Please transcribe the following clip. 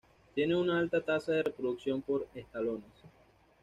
Tiene una alta tasa de reproducción por estolones.